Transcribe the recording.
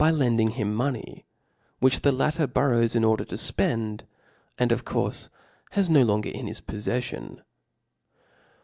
lending Jiim money, which the latter borrows in order to fpend, aad, of coudrfe, has Jio longer in his poT j^jUion.